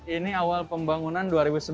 ini awal pembangunan dua ribu sebelas